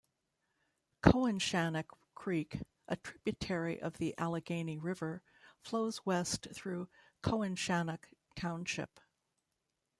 Cowanshannock Creek, a tributary of the Allegheny River, flows west through Cowanshannock Township.